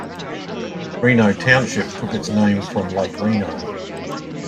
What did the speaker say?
Reno Township took its name from Lake Reno.